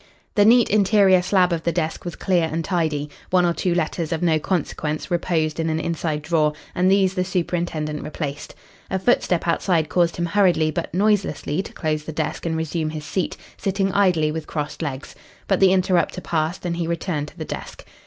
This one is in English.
The neat interior slab of the desk was clear and tidy. One or two letters of no consequence reposed in an inside drawer, and these the superintendent replaced. A footstep outside caused him hurriedly but noiselessly to close the desk and resume his seat, sitting idly with crossed legs. But the interrupter passed, and he returned to the desk.